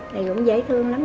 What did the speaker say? thì cũng dễ thương lắm